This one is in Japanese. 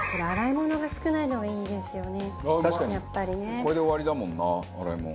これで終わりだもんな洗い物。